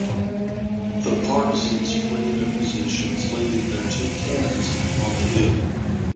The Partisans flee their positions leaving their two cannons on the hill.